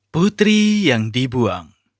putri yang dibuang